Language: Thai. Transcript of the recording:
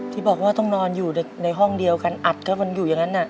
ที่บอกว่าต้องนอนอยู่ในห้องเดียวกันอัดก็มันอยู่อย่างนั้น